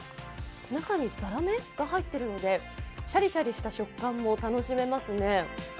中にざらめが入ってるのでシャリシャリした食感も楽しめますね。